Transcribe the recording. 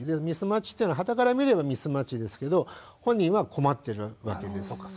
ミスマッチっていうのははたから見ればミスマッチですけど本人は困ってるわけです。